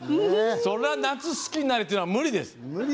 それは夏、好きになれっていうのは無理です。